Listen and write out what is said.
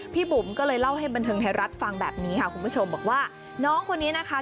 บุ๋มก็เลยเล่าให้บันเทิงไทยรัฐฟังแบบนี้ค่ะคุณผู้ชมบอกว่าน้องคนนี้นะคะ